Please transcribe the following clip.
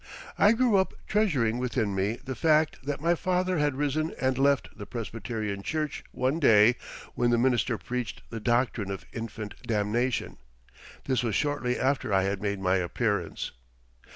I grew up treasuring within me the fact that my father had risen and left the Presbyterian Church one day when the minister preached the doctrine of infant damnation. This was shortly after I had made my appearance.